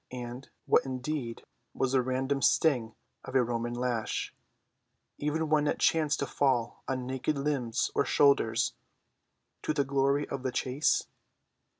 And what, indeed, was the random sting of a Roman lash—even when it chanced to fall on naked limbs or shoulders—to the glory of the chase?